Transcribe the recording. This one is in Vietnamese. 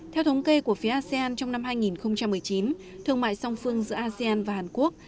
theo thống kê của phía asean trong năm hai nghìn một mươi chín thương mại song phương giữa asean và hàn quốc